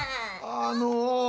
あの。